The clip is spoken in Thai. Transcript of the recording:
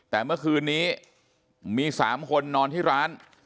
แต่เมื่อคืนนี้มี๓คนนอนที่ร้าน